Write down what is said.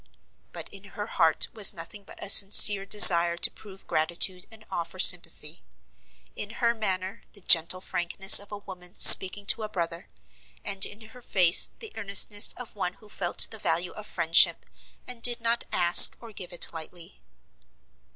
But in her heart was nothing but a sincere desire to prove gratitude and offer sympathy; in her manner the gentle frankness of a woman speaking to a brother; and in her face the earnestness of one who felt the value of friendship, and did not ask or give it lightly.